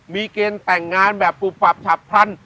มีเกณฑ์แต่งงานแบบปุบปับฉับพลัน